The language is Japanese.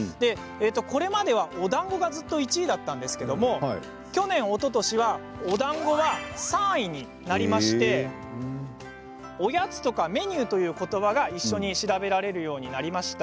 これまではおだんごがずっと１位だったんですけれども去年、おととしはおだんごが３位になりましておやつとかメニューということばが一緒に調べられるようになりました。